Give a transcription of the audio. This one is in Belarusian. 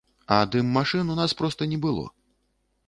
А дым-машын у нас проста не было.